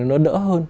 nó đỡ hơn